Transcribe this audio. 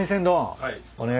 はい。